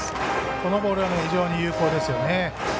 このボールは非常に有効ですね。